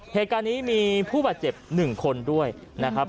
เหตุการณ์นี้มีผู้บาดเจ็บ๑คนด้วยนะครับ